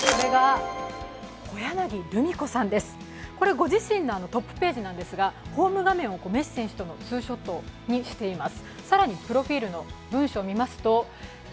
ご自身のトップページなんですがホーム画面をメッシ選手とのツーショットにしています。